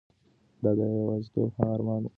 دا د یوازیتوب هغه ارمان و چې هیڅکله پوره نشو.